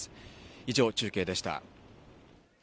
以上、中継でした。